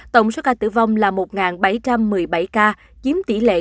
tổng số ca tử vong là một bảy trăm một mươi bảy ca chiếm tỷ lệ năm mươi bảy